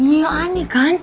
iya aneh kan